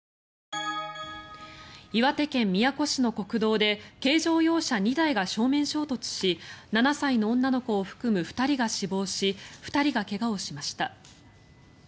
岩手県宮古市の国道で軽乗用車２台が正面衝突し７歳の女の子を含む２人が死亡し２人が怪我をしました。